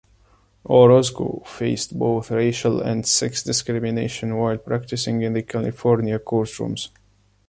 Orozco faced both racial and sex discrimination while practicing in the California courtrooms.